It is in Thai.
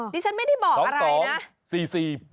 ดิฉันไม่ได้บอกอะไรนะ